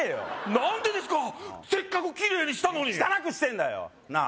なんでですかせっかくキレイにしたのに汚くしてんだよなあ